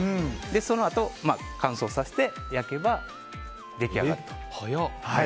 そのあと乾燥させて焼けば、出来上がりと。